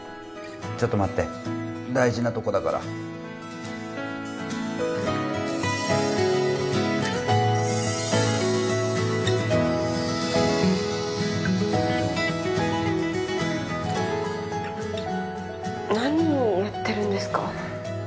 ちょっと待って大事なとこだから何をやってるんですか？